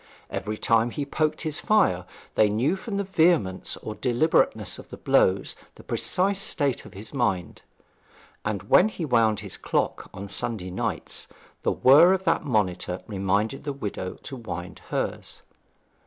Every time that he poked his fire they knew from the vehemence or deliberateness of the blows the precise state of his mind; and when he wound his clock on Sunday nights the whirr of that monitor reminded the widow to wind hers.